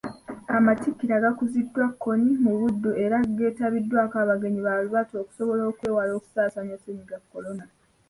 Amatikkira gakuziddwa Nkoni mu Buddu era geetabiddwako abagenyi baalubatu okusobola okwewala okusaasaanya Ssennyiga kolona.